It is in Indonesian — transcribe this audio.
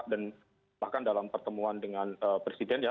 dan bahkan dalam pertemuan dengan presiden ya